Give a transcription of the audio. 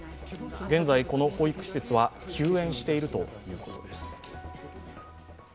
現在、この保育施設は休園していると言うことです。